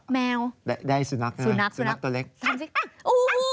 แมวสุนัขสุนัขตัวเล็กทำสิโอ้โห